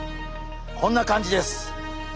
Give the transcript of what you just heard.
こんな感じです。